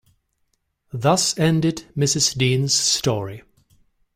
Thus ended Mrs. Dean’s story.